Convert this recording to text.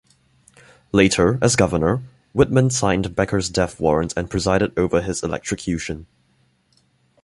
Later, as governor, Whitman signed Becker's death warrant and presided over his electrocution.